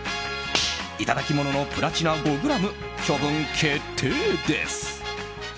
頂き物のプラチナ５ｇ処分決定です。